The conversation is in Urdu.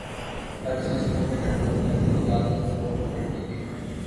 ہر چیز کو اپنے کنٹرول میں رکھنے کی عادت زور پکڑتی گئی ہے۔